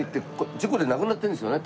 事故で亡くなってるんですよね。